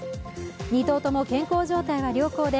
２頭とも健康状態は良好で